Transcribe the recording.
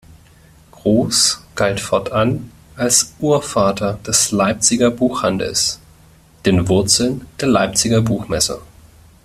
Groß galt fortan als „Urvater“ des Leipziger Buchhandels, den Wurzeln der Leipziger Buchmesse.